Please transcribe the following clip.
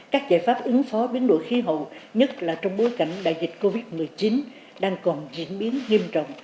các giải pháp ứng phó biến đổi khí hậu nhất là trong bối cảnh đại dịch covid một mươi chín đang còn diễn biến nghiêm trọng